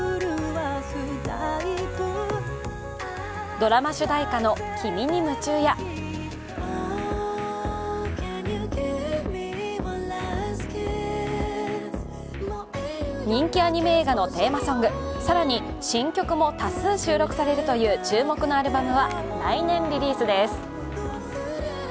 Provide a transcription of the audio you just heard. ドラマ主題歌の「君に夢中」や人気アニメ映画のテーマソング、更に新曲も多数収録されるという注目のアルバムは来年リリースです。